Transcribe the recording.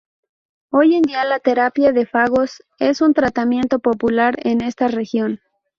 Hoy en día la terapia de fagos es un tratamiento popular en esta región.